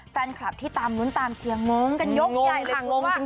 แฟนคลับที่ตามลุ้นตามเชียงมิ้งกันยกใหญ่เลยค่ะว่า